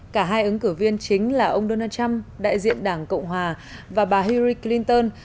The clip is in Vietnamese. cả hai ứng cử viên chính là ông donald trump đại diện đảng cộng hòa và bà hiri clinton